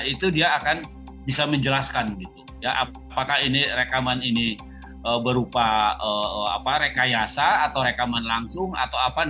itu dia akan bisa menjelaskan apakah ini rekaman ini berupa rekayasa atau rekaman langsung atau apa